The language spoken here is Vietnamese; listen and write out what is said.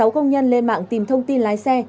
sáu công nhân lên mạng tìm thông tin lái xe